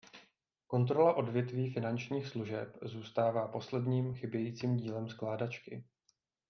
Kontrola odvětví finančních služeb zůstává posledním chybějícím dílem skládačky.